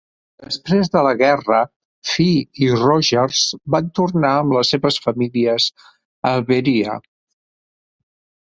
Després de la guerra, Fee i Rogers van tornar amb els seves famílies a Berea.